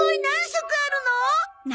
何色あるの？